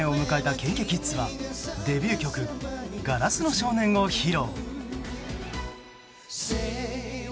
ＫｉｎＫｉＫｉｄｓはデビュー曲「硝子の少年」を披露。